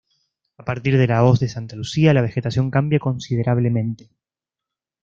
A partir de la hoz de Santa Lucía la vegetación cambia considerablemente.